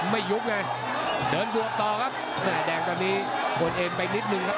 ไม่ยุบเลยเดินบวกต่อครับแม่แดงตอนนี้กดเอ็นไปนิดนึงครับ